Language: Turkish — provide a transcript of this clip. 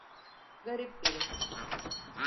Garip biri.